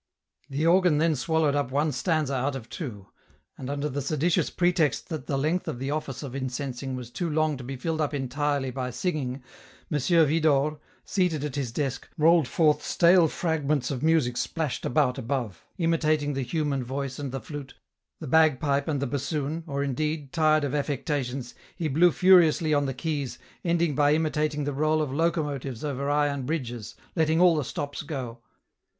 The organ then swallowed up one stanza out of two, and under the seditious pretext that the length of the Office of incensing was too long to be filled up entirely by singing, M. Widor, seated at his desk, rolled forth stale frag ments of music splashed about above, imitating the human voice and the flute, the bagpipe and the bassoon, or indeed, tired of affectations, he blew furiously on the keys, ending by imitating the roll of locomotives over iron bridges, letting all the stops go.